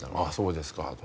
「あっそうですか」